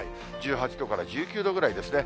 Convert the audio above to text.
１８度から１９度ぐらいですね。